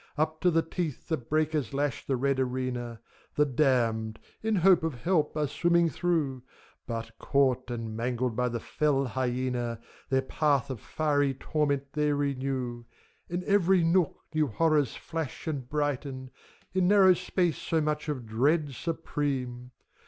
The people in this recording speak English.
Up to the teeth the breakers lash the red arena ; The Damned, in hope of help, are swimming through ; But, caught and mangled by the fell hyena, Their path of fiery torment they renew. In every nook new horrors flash and brighten, In narrow space so much of dread supreme!